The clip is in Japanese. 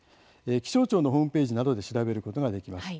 気象庁のホ−ムページなどで調べることができます。